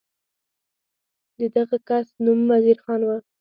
د دغه کس نوم وزیر خان و.